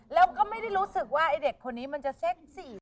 แล้วก็ไม่ได้รู้สึกว่าไอ้เด็กคนนี้มันจะเซ็กซีด